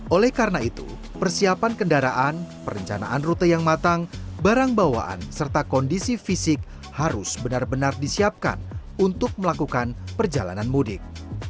oleh karena itu persiapan kendaraan perencanaan rute yang matang barang bawaan serta kondisi fisik harus benar benar disiapkan untuk melakukan perjalanan mudik